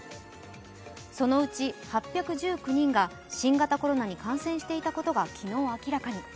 そのうち８１９人が新型コロナに感染していたことが昨日明らかに。